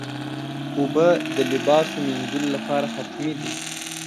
اوبه د لباسو مینځلو لپاره حتمي دي.